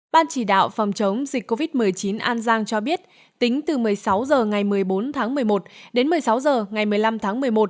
ban chỉ đạo phòng chống dịch covid một mươi chín an giang cho biết tính từ một mươi sáu h ngày một mươi bốn tháng một mươi một đến một mươi sáu h ngày một mươi năm tháng một mươi một